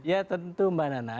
ya tentu mbak nana